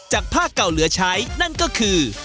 จากภาคเก่าเหลือชัยนั่นก็คือ